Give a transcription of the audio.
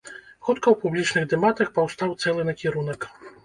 Хутка ў публічных дэбатах паўстаў цэлы накірунак.